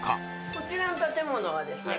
こちらの建物はですね